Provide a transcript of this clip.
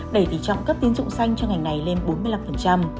đẩy tỷ trọng cấp tiến dụng xanh cho ngành này lên bốn mươi năm